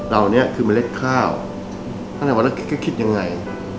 เหล่านี้คือเมล็ดข้าวถ้าในวันนั้นก็คิดยังไง